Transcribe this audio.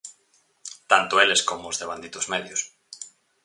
Tanto eles como os devanditos medios.